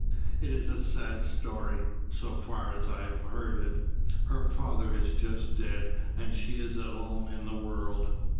"It is a sad story, so far as I have heard it. Her father is just dead, and she is alone in the world.